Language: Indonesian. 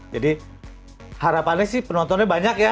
jadi harapannya sih penontonnya banyak ya